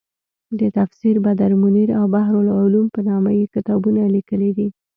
د تفسیر بدرمنیر او بحرالعلوم په نامه یې کتابونه لیکلي دي.